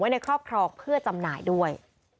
ในครอบครองเพื่อจำหน่ายด้วย